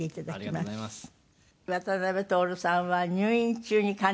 「ありがとうございます」